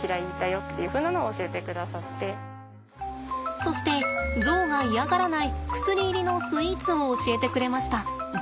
そしてゾウが嫌がらない薬入りのスイーツを教えてくれました。